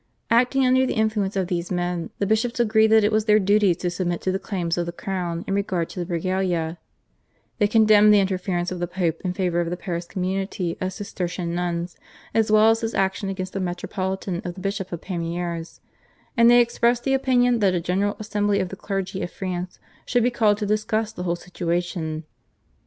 Acting under the influence of these men the bishops agreed that it was their duty to submit to the claims of the crown in regard to the /Regalia/; they condemned the interference of the Pope in favour of the Paris community of Cistercian nuns as well as his action against the metropolitan of the Bishop of Pamiers; and they expressed the opinion that a general assembly of the clergy of France should be called to discuss the whole situation.